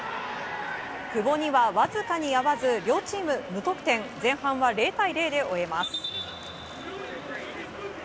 久保にはわずかに合わず両チーム無得点前半は０対０で終えます。